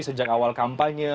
sejak awal kampanye